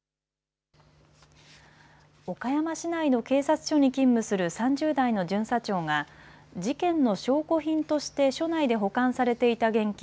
岡山市内の警察署に勤務する３０代の巡査長が事件の証拠品として署内で保管されていた現金